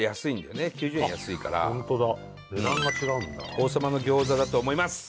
王さまの餃子だと思います